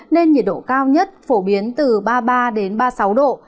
nên nhiệt độ cao nhất phổ biến từ ba mươi ba ba mươi sáu độ